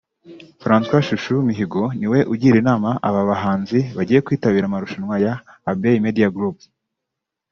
Francois Chouchou Mihigo niwe ugira inama aba bahanzi bagiye kwitabira amarushanwa ya Abbey Media Group